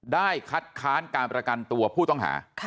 ได้คัดค้านการประกันตัวผู้ต้องหา